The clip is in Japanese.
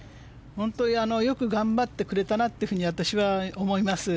本当によく頑張ってくれたなと私は思います。